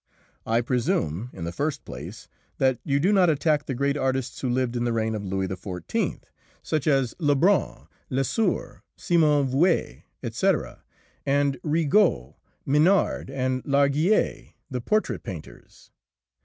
I presume, in the first place, that you do not attack the great artists who lived in the reign of Louis XIV., such as Lebrun, Lesueur, Simon Vouet, etc., and Rigaud, Mignard, and Largillière, the portrait painters.